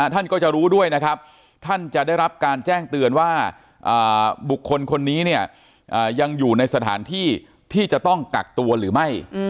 ท่านก็จะรู้ด้วยนะครับท่านจะได้รับการแจ้งเตือนว่าบุคคลคนนี้เนี่ยยังอยู่ในสถานที่ที่จะต้องกักตัวหรือไม่